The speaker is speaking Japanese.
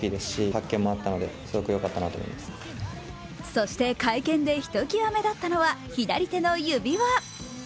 そして、会見でひときわ目立ったのは、左手の指輪。